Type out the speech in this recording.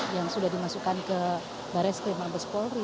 yang sudah dimasukkan ke baria skrim mampis polri